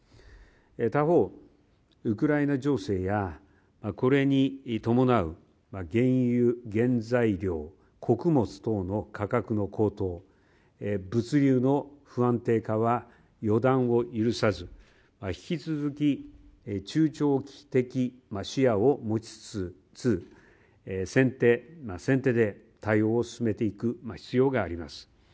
他方、ウクライナ情勢やこれに伴う原油、原材料、穀物などの価格の高騰、物流の不安定化は予断を許さず、引き続き中長期的視野を持ちつつ、先手、先手で対応を進めていく必要があります。